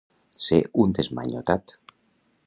Ser un desmanyotat